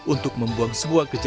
untuk membuang sebuah kelembagaan